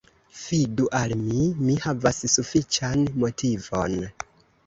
Fidu al mi; mi havas sufiĉan motivon.